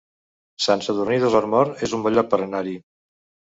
Sant Sadurní d'Osormort es un bon lloc per anar-hi